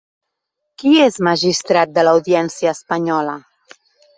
Qui és magistrat de l'Audiència espanyola?